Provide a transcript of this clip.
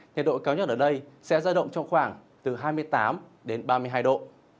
nhiệt độ cao nhất ở đây sẽ ra động trong khoảng hai mươi tám ba mươi hai độ